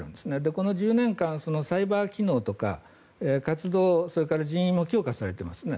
この１０年間、サイバー機能とか活動、人員も強化されていますね。